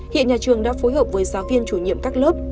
hiện nhà trường đã phối hợp với giáo viên chủ nhiệm các lớp